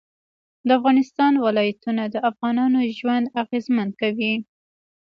د افغانستان ولايتونه د افغانانو ژوند اغېزمن کوي.